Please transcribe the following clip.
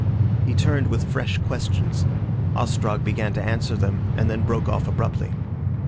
He turned with fresh questions. Ostrog began to answer them, and then broke off abruptly.